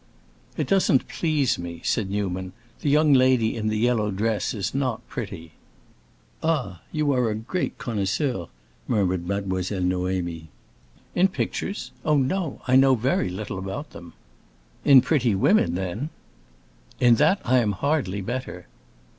"It doesn't please me," said Newman. "The young lady in the yellow dress is not pretty." "Ah, you are a great connoisseur," murmured Mademoiselle Noémie. "In pictures? Oh, no; I know very little about them." "In pretty women, then." "In that I am hardly better."